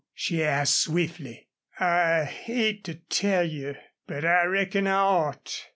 she asked, swiftly. "I hate to tell you, but I reckon I ought.